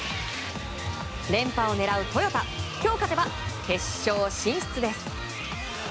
連覇を狙うトヨタ今日勝てば決勝進出です。